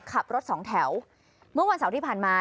ขับรถสองแถวเมื่อวันเสาร์ที่ผ่านมา